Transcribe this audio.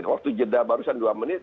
waktu jeda barusan dua menit